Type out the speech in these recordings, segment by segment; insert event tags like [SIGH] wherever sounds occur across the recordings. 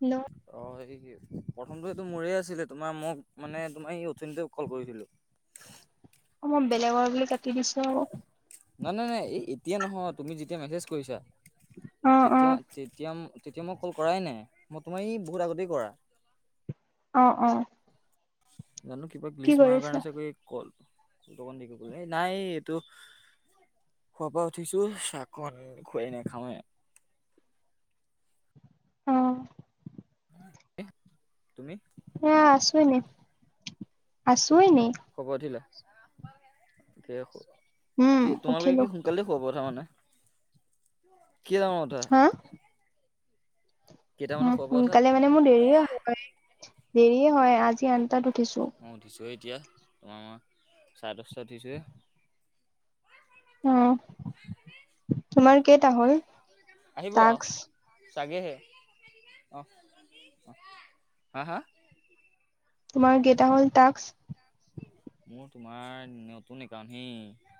Hello. অ', [UNINTELLIGIBLE] প্ৰথমটো এইটো মোৰে আছিলে, তোমাৰ মোক মানে তোমাৰ এই অথনিতে কল কৰিছিলো। অ', মই বেলেগৰ বুলি কাটি দিছো আৰু। নাই, নাই, নাই, এই এতিয়া নহয় তুমি যেতিয়া মেছেজ কৰিছা অ অ তেতিয়া তেতিয়া, তেতিয়া মই কল কৰাই নাই, মই তোমাৰ এই বহুত আগতেই কৰা। অ', অ'। জানোঁ কিবা কি গ্লিচ মৰাৰ কৰিছা কাৰণে চাগৈ কল কলটো অকণ [UNINTELLIGIBLE] এই নাই এইটো খোৱাৰ পৰা উঠিছো চাহকন খুৱাই নে খাওঁ হে। অ'। [UNINTELLIGIBLE] তুমি? এয়া আছোঁ এনে, আছোঁ এনেই। শুৱাৰ পৰা উঠিলা? উম কি তোমালোকে উঠিলো কি সোনকালতে শুৱাৰ পৰা উঠা মানে। কেইটা মানত উঠা? হা? কেইটামানত উম, শুৱাৰ পৰা উঠা? সোনকালে মানে মোৰ দেৰিয়ে হয়, দেৰিয় হয় আজি আঠ তাত উঠিছো। মই উঠিছোঁহে এতিয়া, [UNINTELLIGIBLE] চাৰে দহটাত উঠিছোঁহে। উম, তোমাৰ কেইটা হ'ল? আহিব টাস্ক আৰু চাগেহে অ', হা, হা। তোমাৰ কেইটা হ'ল টাস্ক? মোৰ তোমাৰ নতুন একাউণ্ট হেই।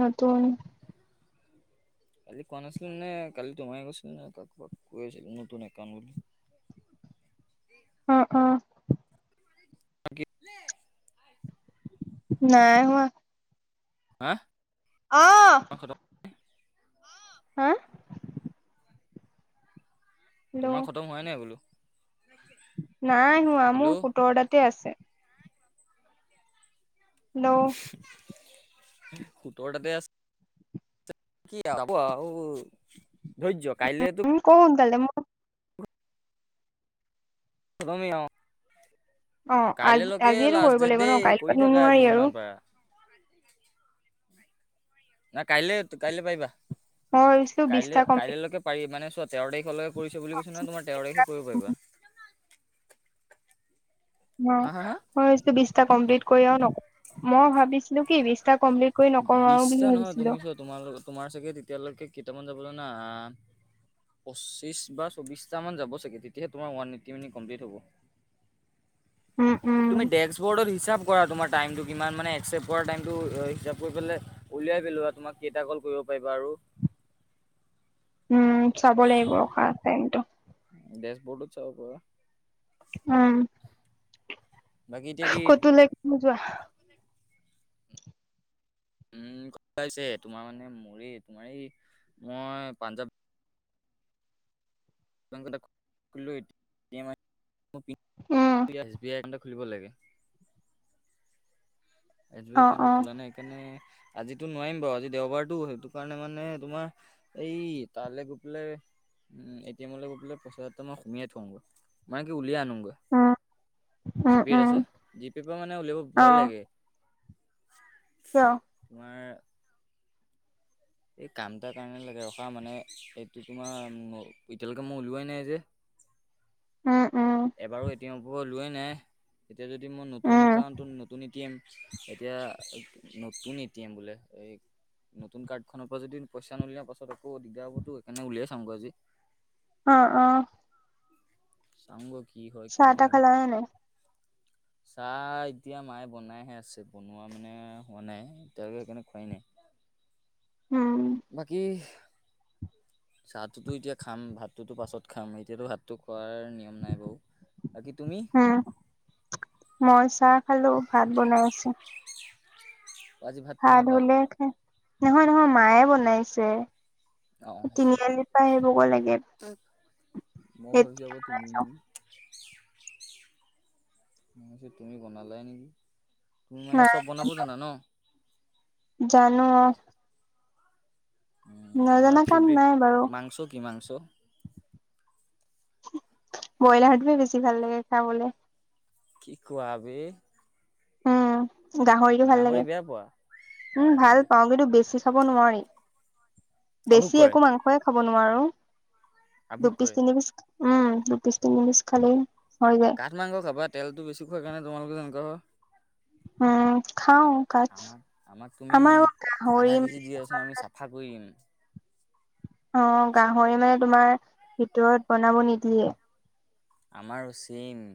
নতুন। কজি কোৱা নাছিলে নে, কালি তোমাকে কৈছিলোঁ নে, কাৰোবাক কৈ আছিলো নতুন একাউণ্ট বুলি। অ', অ'। [INAUDIBLE] নাই হোৱা। হা? অ'। হা? তোমাৰ হেল্ল' খতম হোৱাই নাই বোলো? নাই হোৱা মোৰ হেল্ল' সোতৰ তাতে আছে। হেল্ল'। সোতৰ তাতে আছে [UNINTELLIGIBLE] ধৈৰ্য কাইলৈ তো [UNINTELLIGIBLE] সোনকালে [UNINTELLIGIBLE] অ আজি কাইলৈকে আজিয়েতো লাষ্ট কৰিব ডেট লাগিব ন দেই, কাইলৈ কৰি পৰাতো থাকা নোৱাৰি আজি আৰু যিমান পাৰা। নাই কাইলে, কাইলে পাৰিবা। মই ভাবিছিলো বিশটা কাইলৈ, কমপ্লিট কাইলৈকে পাৰি মানে চোৱা তেৰ তাৰিখলৈকে কৰিছে বুলি কৈছে নহয়, তোমাৰ তেৰ তাৰিখে কৰিব পাৰিবা। হা অ' হা হা মই ভাবিছোঁ বিছটা কমপ্লিট কৰি আৰু নকৰোঁ, মই ভাবিছিলো কি বিছটা কমপ্লিট কৰি নকৰোঁ বুলি ভাবিছিলো। তোমাৰ, তোমাৰ চাগে তেতিয়ালৈকে কেইটামান যাব জানা আ পঁচিছ বা চৌবিছটামান যাবা ছাগে তেতিয়া তোমাৰ ওৱান এইটটি মিনিট কমপ্লিট হ'ব। উম, উম। তুমি ডেছবৰ্ডত হিচাপ কৰা তোমাৰ টাইমটো কিমান মানে একচেপ্ট কৰা টাইমটো হিচাপ কৰি পেলাই উলিয়াই পেলোৱা তোমাক কেইটা কল কৰিব পাৰিবা আৰু। উম, চাব লাগিব ৰখা টাইমটো। ডেছবৰ্ডত চাব পাৰা। উম। বাকী এতিয়া কি ক'তলৈ কি যোৱা উম, ক হৈছে তোমাৰ মানে মোৰে তোমাৰ এই মই পাঞ্জাৱ [UNINTELLIGIBLE] আহিছে, মোৰ pin um. S B I account এটা খুলিব লাগে। এছ বি আই অ একাউণ্টটো অ খোলা নাই সেইকাৰণে আজি নোৱাৰিম বাৰু আজি দেওবাৰটো সেইটো কাৰণে মানে তোমাৰ এই তালে গৈ পেলাই উম, এটিমলৈ গৈ পেলাই পইচা এ, মই সুমিয়াই থওঁগৈ মানে কি উলিয়াই আনোগৈ। উম উম জিপেত উম আছে, জিপেৰপৰা মানে উলিয়াব অ ভয় লাগে। কিয়? তোমাৰ এই কাম এটাৰ কাৰণে লাগে ৰখা মানে এইটো তোমাৰ এতিয়ালৈকে মই উলিৱাই নাই যে। উম, উম। এবাৰো এ টি এমৰপৰা ওলোৱাই নাই, এতিয়া যদি মোৰ নতুন উম একাউণ্ট নতুন এ টি এম এতিয়া নতুন এ টি এম বোলে, এই নতুন কাৰ্ডখনৰপৰা যদি পইচা নুলিয়াও পাছত আকৌ দিগদাৰ হ'বতো সেইকাৰনে উলিয়াই চাংগৈ আজি। অ', অ'। তাংগৈ কি হয়, কি নহয়। হয় নাই? চাহ এতিয়া মায়ে বনাইহে আছে, বনোৱা মানে হোৱা নাই, এতিয়ালৈকে সেইকাৰণে খোৱাই নাই। উম। বাকী চাহটোতো এতিয়া খাম, ভাতটোতো পাছত খাম, এতিয়াতো ভাতটো খোৱাৰ নিয়ম নাই বাৰু। বাকি তুমি? উ, মই চাহ খালোঁ, ভাত বনাই আছে। আজি ভাত তোমাৰ পাল হ'লে সে নহয় নহয়, মায়ে বনাইছে। অ তিনি আলিৰপা সেইবোৰ কো লাগে। মই ভাবিছো, এতিয়া আকৌ তুমি মই নিম মই ভাবিছোঁ তুমি বনালাই নেকি। তুমি মানে নাই চব বনাব জানা ন'? জানো অ'। উ, তোমাৰ নজনা কাম ফেভৰেট নাই বাৰু মাংস কি মাংস? ব্ৰইলাৰটোহে বেছি ভাল লাগে খাবলে। কি কোৱা বে। উম, গাহৰিটো ভাল লাগে। গাহৰি বেয়া পোৱা? উম, অ'। ভাল পাওঁ কিন্তু বেছি খাব নোৱাৰি। আভোগ বেছি কৰে, একো মাংসই খাব নোৱাৰো, আভোগ দুপিচ, কৰে। তিনি পিচ উম, দু পিছ, তিনি পিছ খালেই হৈ যাই। আঠ মাংস খাবা, তেলটো বেছি খোৱাৰ কাৰণে তোমোলোকৰ এনেকোৱা হয়। উম, খাওঁ। আমাক, আমাক তুমি গাহৰি আধা কেজি দিয়াচোন আমি চাফা কৰিম। অ' গাহৰি মানে তোমাৰ ভিতৰত বনাব নিদিয়ে। আমাৰো ছেইম।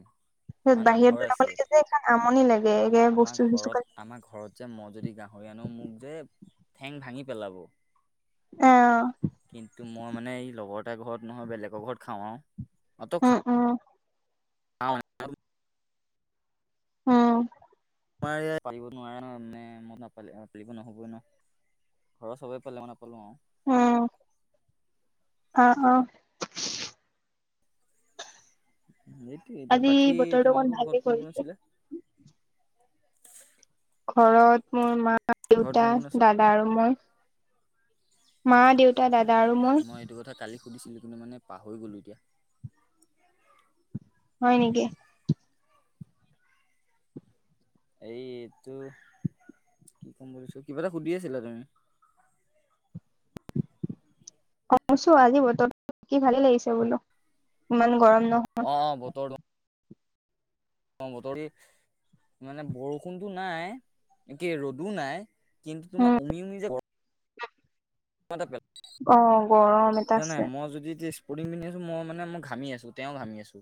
আমাৰ নামঘৰ বাহিৰত ওলাব আছে। লাগে যে, এইখন আমনি লাগে আমাৰ এ আমাৰ বস্তু, ঘৰত চস্তুক আমাৰ ঘৰত মই যদি গাহৰি আনো, মোক যে ঠেং ভাঙি পেলাব। অ'। কিন্তু, মই মানে এই লগৰ এটা ঘৰত নহয়, বেলেগৰ ঘৰত খাওঁ আৰু অ'। অ'। [UNINTELLIGIBLE] উম। পালিব, [UNINTELLIGIBLE] নোৱাৰে ন, মানে মই নাপাল পালিব নহ'বই ন। ঘৰৰ চবেই পালে মই নাপালো আৰু। অঁ, অ', অ'। এইটোৱে, এতিয়া আজি বাকী বতৰটো অকণ তোমালোকৰ ভালে ঘৰত কোন, কোন কৰিছে। আছিলে? ঘৰত মোৰ মা, ঘৰত দেউতা, কোন কোন আছে দাদা আৰু মই। মা, দেউতা, দাদা আৰু মই। সেইটো কথা কালি সুধছিলোঁ কিন্তু, মানে পাহৰি গ'লো এতিয়া। হয়, নেকি। এই, এইটো কি ক'ম বুলিছোঁ, কিবা এটা সুধি আছিলা তুমি। অছো, আজি বতৰ কি ভালেই লাগিছে বোলো ইমান গৰম নহয়। অ', অ', বতৰটো অ', বতৰ মানে বৰষুণতটো নাই, একে ৰ'দো নাই। কিন্তু, উম তোমাৰ উমি, উমি যে [INAUDIBLE] [UNINTELLIGIBLE] অ', গৰম এটা জানাই আছে। মই যদি পুৰিং পিন্ধিআছো [UNINTELLIGIBLE] মই মানে ঘামি আছোঁ তেওঁ ঘামি আছো।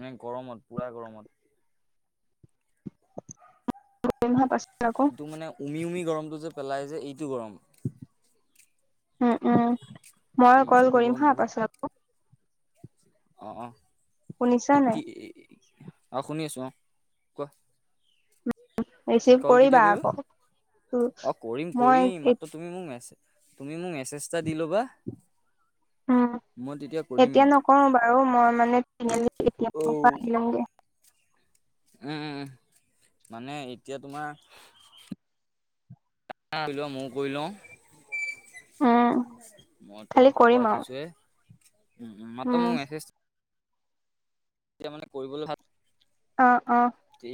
ন', গৰমত পুৰা গৰমত। [INAUDIBLE] এইটো মানে উমি, উমি গৰমটো যে পেলাই যে এইটো গৰম। উম, উম, মই এই কল এইটো কৰিম গৰম হা বহুত পাছত। আকৌ অ', অ', শুনিছা নাই? এতি অ, শুনি আছোঁ অ, কোৱা। কি, ৰিচিভ কল কেতিয়া কৰিবা আকৌ, অ, কৰিম, মই কৰিম মাত তুমি মোক মে তুমি মোক মেছেজ এটা দি ল'বা। উম, মই তেতিয়া এতিয়া কৰিমেই নকৰো বাৰু, মই মানে তিনি আ-আলি উম পৰা আহি লওঁগে। উম, উম, উম মানে এতিয়া তোমাৰ কৰি লোৱা, ময়োঁ কৰি লওঁ। উম, মই খালি তোমাক খবত কৰিম [UNINTELLIGIBLE] আৰু উঠিছোয়ে। উম, মাত [UNINTELLIGIBLE] উম, মোক মেছেজ এতিয়া মানে কৰিবলৈ ভাল অ', অ',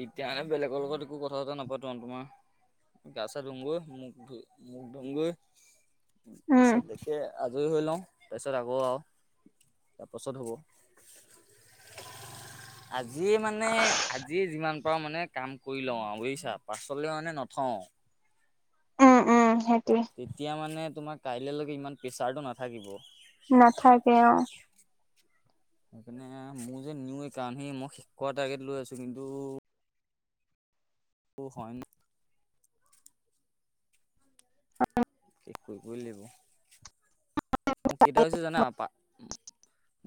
এতিয়া মানে বেলেগৰ লগত একো কথা এটা নাপাতো আৰু তোমাৰ [UNINTELLIGIBLE] [UNINTELLIGIBLE] [UNINTELLIGIBLE] তাৰপিছত দে উম। আজৰি হৈ লওঁ, তাৰপিছত আকৌ আৰু তাৰপাছত হ'ব। আজি মানে পৰা মানে কাম কৰি লওঁ, আৰু বুজিছাঁ পাছলৈ মানে নথওঁ। উম, উম সেইটোৱে তেতিয়া মানে তোমাৰ কাইলেলৈকে ইমান প্ৰেছাৰটো নাথাকিব। নাথাকে অ'। সেইকাৰণে মোৰ যে নিওৱে [UNINTELLIGIBLE] কাৰণ সি মই শেষ কৰা টাৰ্গেট লৈ আছোঁ', কিন্তু অ', হয়। [UNINTELLIGIBLE] কৰিবয়েই লাগব। মোক কেইটা হৈছে জানা,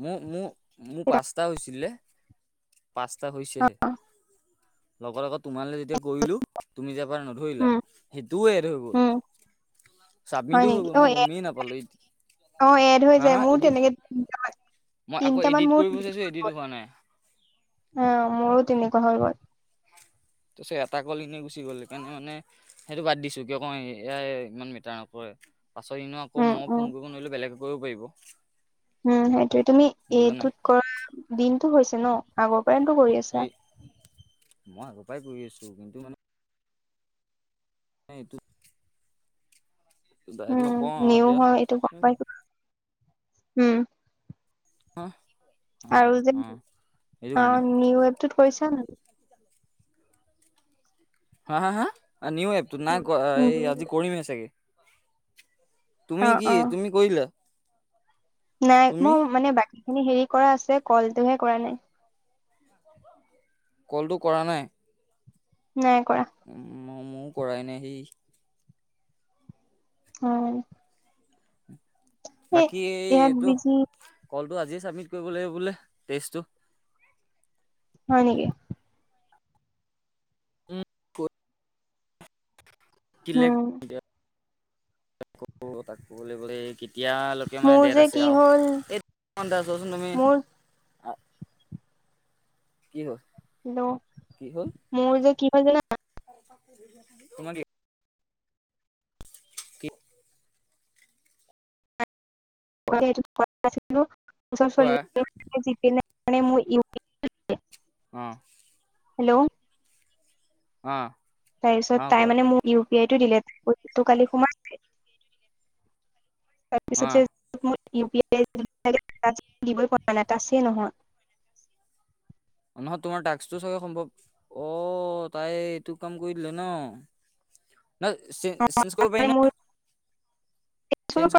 মোৰ মোৰ মোৰ পাঁচটা হৈছিলে, পাঁচটা হৈছেহে। লগত আকৌ তোমালৈ যেতিয়া কৰিলো, তুমি যে এবাৰ নধৰিলা উম, - সেইটোও এড হৈ গ'ল উম, হয় চাবিনটো নেকি? গ'ল অ', মই এ গমেই নাপালো, এত অ', এড হৈ যায়। মোৰো তেনেকে, [UNINTELLIGIBLE] মই আকৌ তিনটামান এডিট মোৰ কৰিব বিচাৰিছো, এডিট হোৱা নাই। অ', মোৰো তেনেকুৱা হৈ গ'ল তাছত এটা কলিঙেই গুচি গ'ল সেইকাৰণে মানে সেইটো বাদ দিছো, এ কিয় কওঁ এয়াই ইমান মেটাৰ নকৰে। পাছত এনেও আকৌ উম, মই উম, ফোন কৰিব নোৱাৰিলেও আকো বেলেগে কৰিব পাৰিব। উম সেইটোৱে, তুমি বুজা নাই এইটোত কৰা দিনটো হৈছে ন? আগৰ পৰাইটো এই মই আগৰ পৰাই কৰি আছো, কিন্তু মানে ন এটোত ডাইৰেক্ট উম নকওঁ আৰু নিও এতিয়া হয় এইটো গম পাইচো উম [UNINTELLIGIBLE] আৰু যে অ', সেইটো অ কাৰণে নিউ এপটোত কৰিছা নাই হা? হা? হা? A new app? তোমাৰ গই, এই উম, আজি কৰিমেই চাগে। তুমি অ', কি, অ', তুমি কৰিলা? নাই। তুমি মোৰ মানে বাকী খিনি হেৰি কৰা আছে। কলটোহে কৰা নাই। [INAUDIBLE] কলটো কৰা নাই? নাই কৰা। ময়ো কৰাই নাই হেই সি অহ। বাকী এই ইয়াত এইটো, বিজি কলটো আজিয়ে ছাবমিট কৰিব লাগিব বোলে? টেষ্টটো? হয় নেকি? উম', ফুট উম [UNINTELLIGIBLE] কেতিয়া মানে মোৰ দেত যে আছে কি আৰু, হ'ল আহ [UNINTELLIGIBLE] চোৱাচোন তুমি। মোৰ আহ কি হ'ল হেল' মোৰ যে কি হয় জানা? তোমাক এই কি? কোৱা [UNINTELLIGIBLE] অ', হেল্ল', অ। তাৰ পিছত অ তাই কোৱা মানে মোক ইউ পি আইটো দিলেত [UNINTELLIGIBLE] কালি সোমাইছে। তাৰ অ পিছত যে [UNINTELLIGIBLE] তাছেই নহয়। নহয় তোমাৰ তাষ্কটো চাগে সম্ভৱ, অ' তাই এইটো কাম কৰি দিলে ন! নহয় চেঞ্জ, চেঞ্জ কৰিব পাৰি নহয়।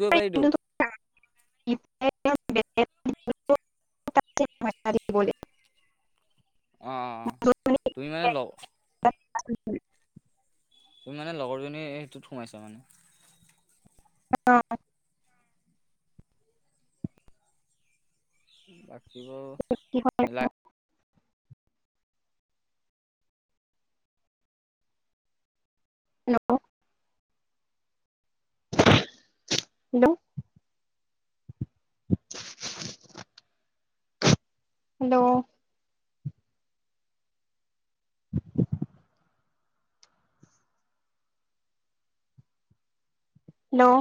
কৰিব পাৰিতো [UNINTELLIGIBLE] অঁ অঁ অঁ, তুমি মানে লগ [UNINTELLIGIBLE] তুমি মানে লগৰজনীৰ এইটোত সোমাইছা মানে? অ। বাকী বোৰ কি হয় [UNINTELLIGIBLE] হেল্ল' হেল্ল'। হেল্ল'। হেল্ল'।